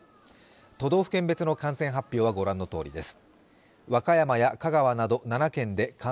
都道府県別の感染発表は御覧のとおりです。